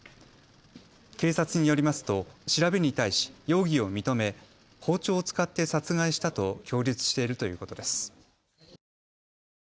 警察によりますと調べに対し容疑を認め包丁を使って殺害したと供述しているということです。